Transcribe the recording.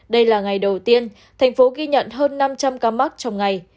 đây là ngày đầu tiên thành phố ghi nhận hơn năm trăm linh ca mắc trong ngày